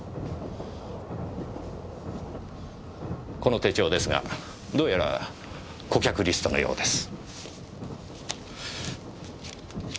この手帳ですがどうやら顧客リストのようです。